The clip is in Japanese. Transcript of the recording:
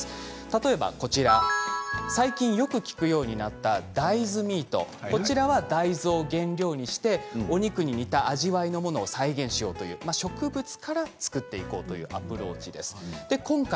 例えば最近よく聞くようになった大豆ミートは大豆を原料にしてお肉に似た味わいのものを再現しようという植物から作っていこうというアプローチです。